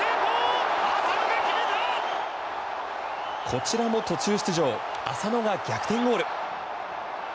こちらも途中出場浅野が逆転ゴール。